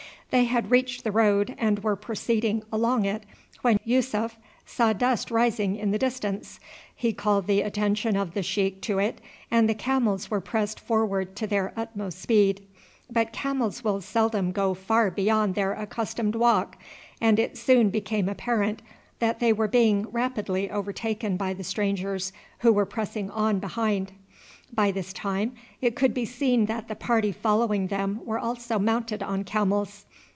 They had reached the road and were proceeding along it when Yussuf saw dust rising in the distance. He called the attention of the sheik to it, and the camels were pressed forward to their utmost speed. But camels will seldom go far beyond their accustomed walk; and it soon became apparent that they were being rapidly overtaken by the strangers who were pressing on behind. By this time it could be seen that the party following them were also mounted on camels.